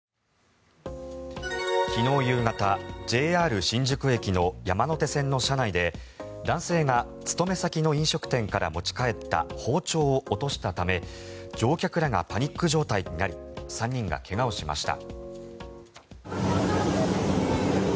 昨日夕方ＪＲ新宿駅の山手線の車内で男性が勤め先の飲食店から持ち帰った包丁を落としたため乗客らがパニック状態になり３人が怪我をしました。